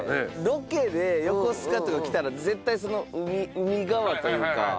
ロケで横須賀とか来たら絶対海側というか。